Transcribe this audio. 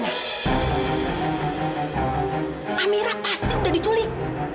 amirah pasti sudah diculik